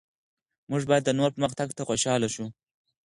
موږ باید د نورو پرمختګ ته خوشحال شو.